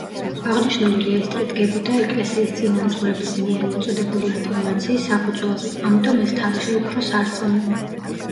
აღნიშნული რეესტრი დგებოდა ეკლესიის წინამძღვრების მიერ მოწოდებული ინფორმაციის საფუძველზე, ამიტომ ეს თარიღი უფრო სარწმუნოა.